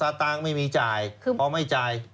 ซาตางค์ไม่มีจ่ายคำนี่ไม่จ่าย